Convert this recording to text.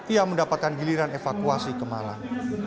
ia mendapatkan giliran evakuasi kemalam